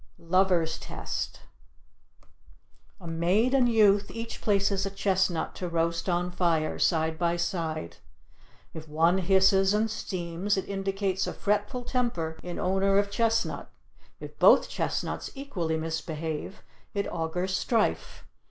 LOVER'S TEST A maid and youth each places a chestnut to roast on fire, side by side. If one hisses and steams, it indicates a fretful temper in owner of chestnut; if both chestnuts equally misbehave it augurs strife.